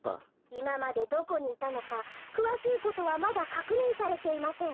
「いままでどこにいたのかくわしいことはまだかくにんされていません」。